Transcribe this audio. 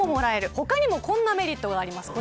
他にもこんなメリットがあります。